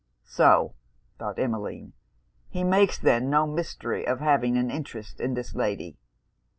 'So,' thought Emmeline, 'he makes then no mystery of having an interest in this lady.'